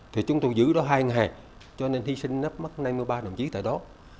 thì chúng tôi giữ đó hai ngày cho nên hy sinh mất năm mươi ba đồng chí tại đó